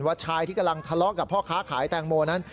ชายที่กำลังทะเลาะกับพ่อค้าขายแตงโมนั้น